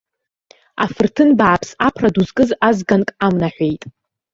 Афырҭын бааԥс аԥра ду зкыз азганк амнаҳәеит.